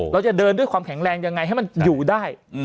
เราจะเดินด้วยความแข็งแรงยังไงให้มันอยู่ได้